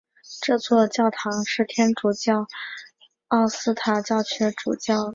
这座教堂是天主教奥斯塔教区的主教座堂。